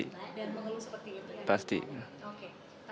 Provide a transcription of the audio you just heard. dan mengeluh seperti itu ya